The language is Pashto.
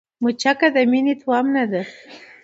مچکه د مينې تومنه ده